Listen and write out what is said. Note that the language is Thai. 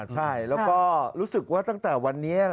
ใช่แล้วก็รู้สึกว่าตั้งแต่วันนี้